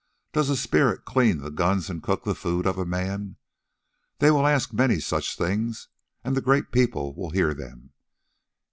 Does a spirit clean the guns and cook the food of a man?' They will ask many such things, and the Great people will hear them.